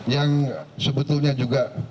yang sebetulnya juga